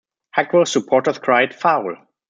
Hackworth's supporters cried 'foul!